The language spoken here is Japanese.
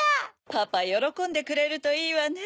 パパよろこんでくれるといいわね。